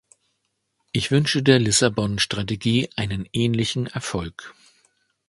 Ich wünsche der Lissabon-Strategie einen ähnlichen Erfolg.